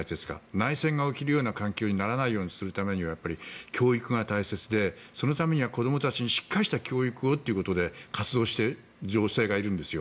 内戦が起きるような環境にならないようにするためには教育が大切でそのためには子供たちにしっかりした教育をということで活動している女性がいるんですよ。